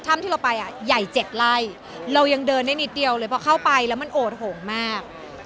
ที่เราไปอ่ะใหญ่๗ไร่เรายังเดินได้นิดเดียวเลยพอเข้าไปแล้วมันโอดโหมมาก